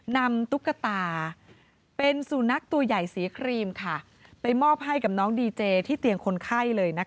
ตุ๊กตาเป็นสุนัขตัวใหญ่สีครีมไปมอบให้กับน้องดีเจที่เตียงคนไข้เลย